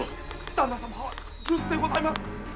旦那様は留守でございます。